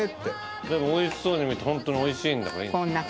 でも美味しそうに見えてホントに美味しいんだから。